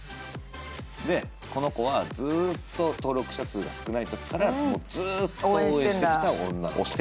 で、この子はずっと登録者数が少ないところからずっと応援してきた女。